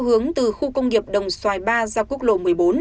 hướng từ khu công nghiệp đồng xoài ba ra quốc lộ một mươi bốn